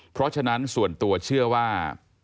เพราะฉะนั้นส่วนตัวเชื่อว่า